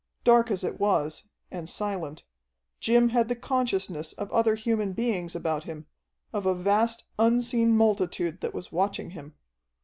Dark as it was, and silent, Jim had the consciousness of other human beings about him, of a vast, unseen multitude that was watching him.